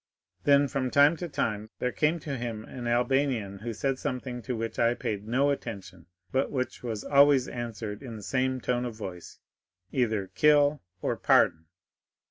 Then from time to time there came to him an Albanian who said something to which I paid no attention, but which he always answered in the same tone of voice, either 'Kill,' or 'Pardon.